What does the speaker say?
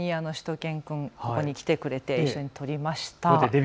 一緒にしゅと犬くん、来てくれて一緒に撮りました。